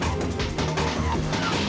ayo kita kejar dia